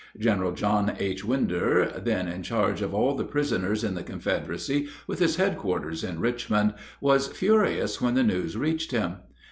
General John H. Winder, then in charge of all the prisoners in the Confederacy, with his headquarters in Richmond, was furious when the news reached him.